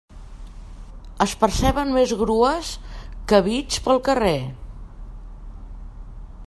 Es perceben més grues que bits pel carrer.